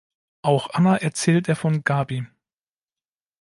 Auch Anna erzählt er von Gaby.